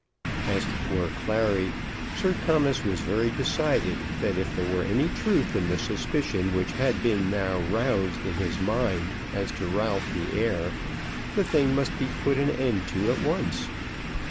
As to poor Clary, Sir Thomas was very decided that if there were any truth in the suspicion which had been now roused in his mind as to Ralph the heir, the thing must be put an end to at once.